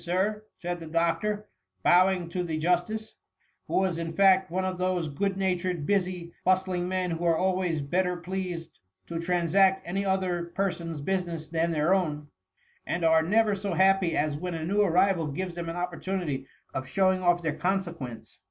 Sir," said the doctor, bowing to the Justice ; who was in fact one of those good natured, busy, bust ling men, who are always better pleased to trans act any other person's business than their own ; and are never so happy as when a new arrival gives them an opportunity of showing off their consequence.